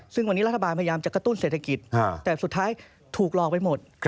ซึ่งวันนี้รัฐบาลพยายามจะกระตุ้นเศรษฐกิจแต่สุดท้ายถูกหลอกไปหมด